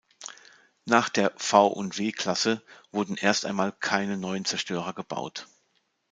Nach der "V&W-Klasse" wurden erst einmal keine neuen Zerstörer gebaut.